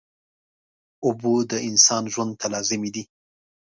اوبه د انسان ژوند ته لازمي دي